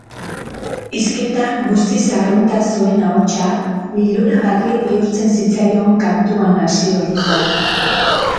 Hizketan guztiz arrunta zuen ahotsa liluragarri bihurtzen zitzaion kantuan hasi orduko.